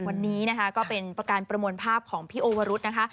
วันนี้นะคะก็เป็นประการประมวลภาพของพี่โอวรุษนะคะ